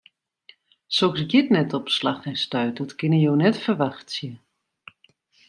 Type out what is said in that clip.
Soks giet net op slach en stuit, dat kinne jo net ferwachtsje.